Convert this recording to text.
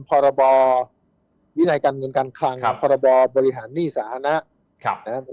พรบวินัยการเงินการคลังพรบบริหารหนี้สาธารณะนะครับ